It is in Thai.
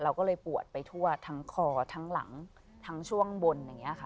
เราก็เลยปวดไปทั่วทั้งคอทั้งหลังทั้งช่วงบน